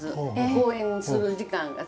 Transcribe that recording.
公演をする時間が。